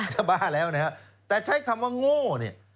จะบ้าแล้วนะฮะแต่ใช้คำว่าโง่เนี่ย